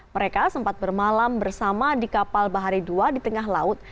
mereka sempat bermalam bersama di kapal bahari dua di tengah laut